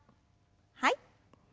はい。